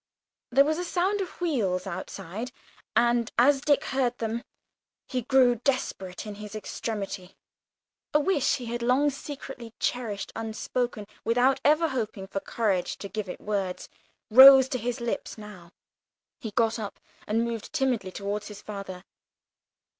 There was a sound of wheels outside, and, as Dick heard them, he grew desperate in his extremity; a wish he had long secretly cherished unspoken, without ever hoping for courage to give it words, rose to his lips now; he got up and moved timidly towards his father.